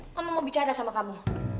kamu mau bicara sama kamu